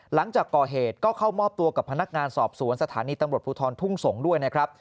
หลังจากก่อเหตุก็เข้ามอบตัวกับพนักงานสอบสวนสถานีตำรวจภูทรทุ่งสงศ์ด้วยนะครับ